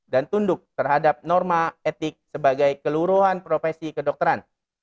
dan tunduk terhadap norma etik sebagai keluruhan profesi kedokteran